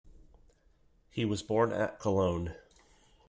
He was born at Cologne.